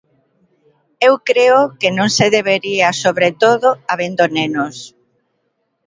Eu creo que non se debería, sobre todo habendo nenos.